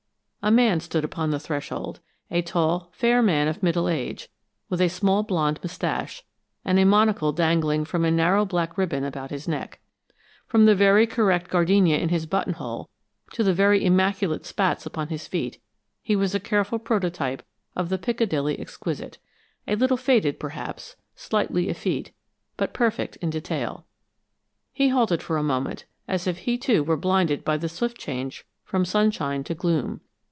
A man stood upon the threshold a tall, fair man of middle age, with a small blond mustache, and a monocle dangling from a narrow black ribbon about his neck. From the very correct gardenia in his buttonhole to the very immaculate spats upon his feet, he was a careful prototype of the Piccadilly exquisite a little faded, perhaps, slightly effete, but perfect in detail. He halted for a moment, as if he, too, were blinded by the swift change from sunshine to gloom.